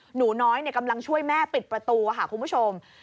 หนูน้อยกำลังช่วยแม่ปิดประตูค่ะคุณผู้ชม